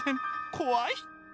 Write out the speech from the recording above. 怖い！